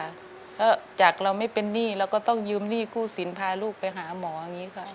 ก็จากเราไม่เป็นหนี้เราก็ต้องยืมหนี้กู้สินพาลูกไปหาหมออย่างนี้ค่ะ